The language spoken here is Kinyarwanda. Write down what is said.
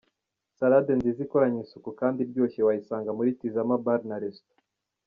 Salade nziza ikoranywe isuku kandi iryoshye wayisanga muri Tizama Bar & Resto.